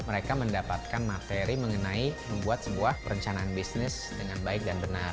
mereka mendapatkan materi mengenai membuat sebuah perencanaan bisnis dengan baik dan benar